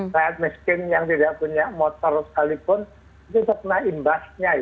rakyat miskin yang tidak punya motor sekalipun itu terkena imbasnya